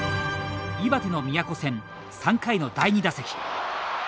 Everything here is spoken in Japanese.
岩手の宮古戦、３回の第２打席。